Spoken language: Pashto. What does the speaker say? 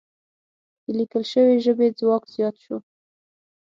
د لیکل شوې ژبې ځواک زیات شو.